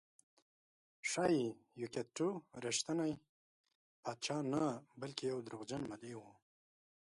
ښایي یوکیت ټو رښتینی پاچا نه بلکې یو دروغجن مدعي و